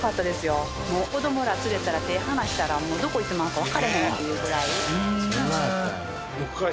子どもら連れてたら手ぇ離したらどこ行ってまうかわからへんっていうぐらい。